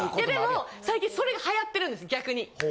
でも、最近それがはやってるんです、逆に。